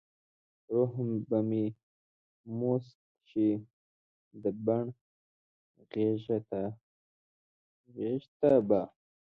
روح به مې موسک شي د بڼ غیږته به ،